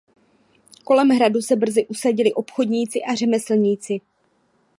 Kolem hradu se brzy usadili obchodníci a řemeslníci.